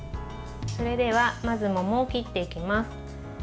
それでは、まず桃を切っていきます。